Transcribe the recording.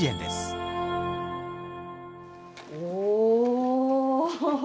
お。